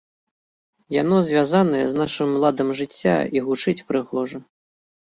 Яно звязанае з нашым ладам жыцця і гучыць прыгожа!